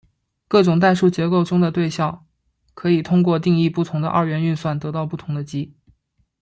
各种代数结构中的对象可以通过定义不同的二元运算得到不同的积。